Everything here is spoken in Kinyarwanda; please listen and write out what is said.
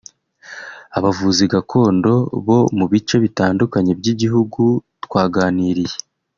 Abavuzi gakondo bo mu bice bitandukanye by’igihugu twaganiriye